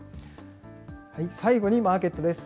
最後にマーケットです。